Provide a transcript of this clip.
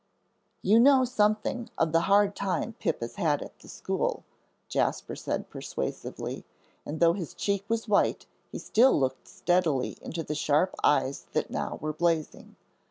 "You know something of the hard time Pip has at the school," Jasper said persuasively, and though his cheek was white, he still looked steadily into the sharp eyes that now were blazing.